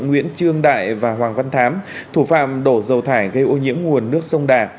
nguyễn trương đại và hoàng văn thám thủ phạm đổ dầu thải gây ô nhiễm nguồn nước sông đà